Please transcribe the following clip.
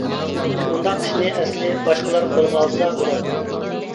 مۇنداق ئىشنى ئەسلى باشقىلار قولىغا ئالسا بولاتتى.